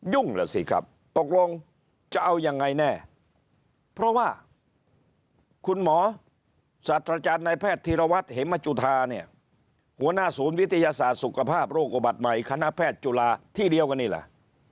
เหรอสิครับตกลงจะเอายังไงแน่เพราะว่าคุณหมอสัตว์อาจารย์ในแพทย์ธีรวัตรเหมจุธาเนี่ยหัวหน้าศูนย์วิทยาศาสตร์สุขภาพโรคอุบัติใหม่คณะแพทย์จุฬาที่เดียวกันนี่ล่ะ